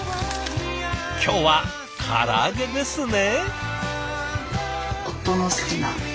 今日はから揚げですね？